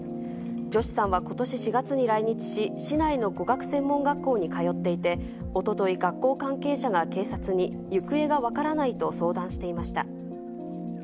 ジョシさんはことし４月に来日し、市内の語学専門学校に通っていて、おととい、学校関係者が警察に、行方が分からないと相談していました。